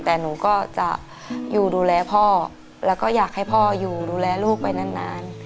แต่หนูก็จะอยู่ดูแลพ่อแล้วก็อยากให้พ่ออยู่ดูแลลูกไปนาน